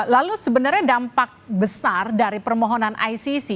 lalu sebenarnya dampak besar dari permohonan icc